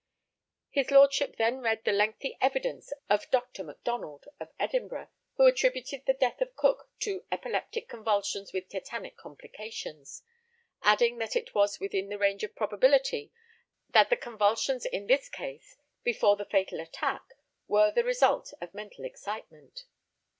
His lordship then read the lengthy evidence of Dr. McDonald, of Edinburgh, who attributed the death of Cook to "epileptic convulsions with tetanic complications," adding that it was within the range of probability that the convulsions in this case before the fatal attack were the result of mental excitement.